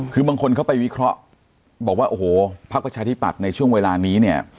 คือบางคนเข้าไปวิเคราะห์บอกว่าโอ้โหพักประชาธิปัตย์ในช่วงเวลานี้เนี่ย